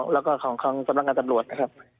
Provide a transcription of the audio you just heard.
แล้วก็ของกองสำรางการตำรวจนะครับ